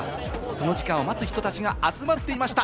その時間を待つ人たちが集まっていました。